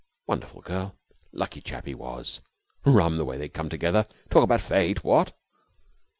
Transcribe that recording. Wonderful girl! Lucky chap he was! Rum, the way they had come together! Talk about Fate, what?